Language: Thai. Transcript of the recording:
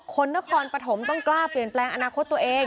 คนนครปฐมต้องกล้าเปลี่ยนแปลงอนาคต